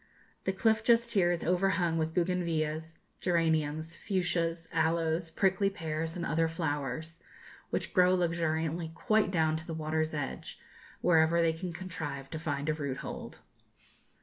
The cliff just here is overhung with bougainvillæas, geraniums, fuchsias, aloes, prickly pears, and other flowers, which grow luxuriantly quite down to the water's edge, wherever they can contrive to find a root hold.